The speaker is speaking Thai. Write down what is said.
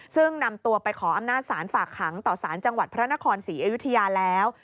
ซึ่งนำตัวไปขออำนาจศาลฝากขังต่อสารจังหวัดพระนครศรีอยุธยาแล้ว